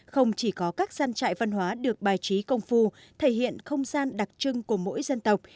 không chỉ có các gian trại văn hóa được bài trí công phu thể hiện không gian đặc trưng của mỗi dân tộc